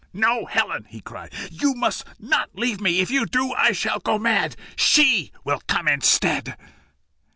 "No, Helen!" he cried; "you must not leave me. If you do, I shall go mad. SHE will come instead."